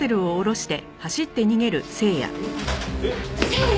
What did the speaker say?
えっ？